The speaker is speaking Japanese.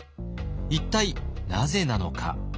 一体なぜなのか。